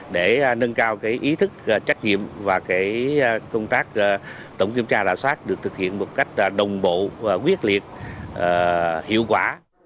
để nâng cao ý thức trách nhiệm và công tác tổng kiểm tra rạ soát được thực hiện một cách đồng bộ và quyết liệt hiệu quả